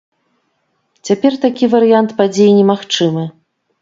Цяпер такі варыянт падзей немагчымы.